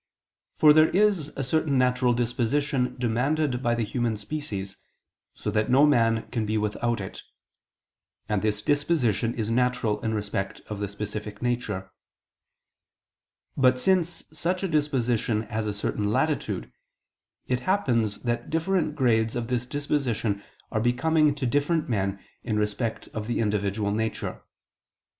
For there is a certain natural disposition demanded by the human species, so that no man can be without it. And this disposition is natural in respect of the specific nature. But since such a disposition has a certain latitude, it happens that different grades of this disposition are becoming to different men in respect of the individual nature.